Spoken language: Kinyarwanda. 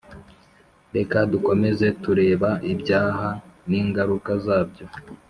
reka dukomeze tureba ibyaha ningaruka zabyo